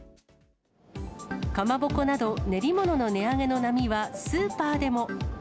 かまぼこなど練り物の値上げの波はスーパーでも。